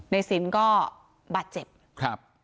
ในศิลป์ก็บาดเจ็บ